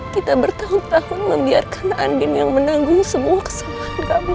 kita bertahun tahun membiarkan andin yang menanggung semua kesalahan kamu